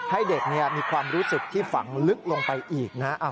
ให้เด็กมีความรู้สึกที่ฝังลึกลงไปอีกนะ